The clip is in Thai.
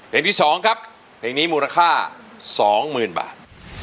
เพลงที่สองครับเพลงนี้มูลค่าสองหมื่นบาท